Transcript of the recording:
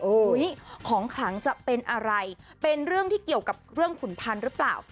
ของขลังจะเป็นอะไรเป็นเรื่องที่เกี่ยวกับเรื่องขุนพันธุ์หรือเปล่า